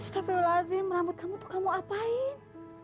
astagfirullahaladzim rambut kamu tuh kamu apain